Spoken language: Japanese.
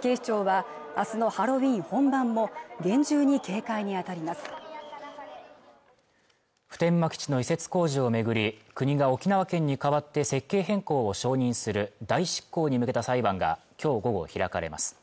警視庁はあすのハロウィーン本番も厳重に警戒に当たります普天間基地の移設工事を巡り国が沖縄県に代わって設計変更を承認する代執行に向けた裁判がきょう午後開かれます